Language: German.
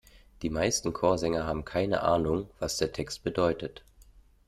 Die meisten Chorsänger haben keine Ahnung, was der Text bedeutet.